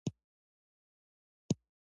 ایا زه باید زوی شم؟